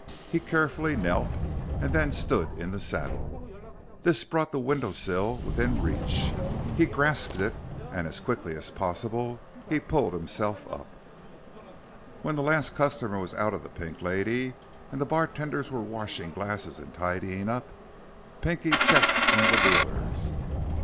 He carefully knelt and then stood in the saddle. This brought the windowsill within reach. He grasped it, and as quietly as possible he pulled himself up. When the last customer was out of the Pink Lady and the bartenders were washing glasses and tidying up, Pinky checked in the dealers.